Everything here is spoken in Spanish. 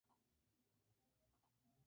Ningún terreno, ningún tema le era extraños.